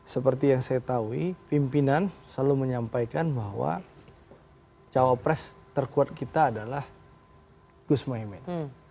seperti yang saya tahu pimpinan selalu menyampaikan bahwa cawapres terkuat kita adalah gus mohaimin